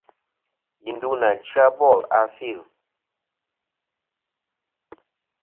Yi ndu nà chya bòl a fil.